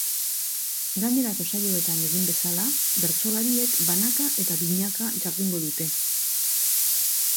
Gainerako saioetan egin bezala, bertsolariek banaka eta binaka jardungo dute.